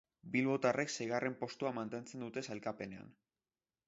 Bilbotarrek seigarren postua mantentzen dute sailkapenean.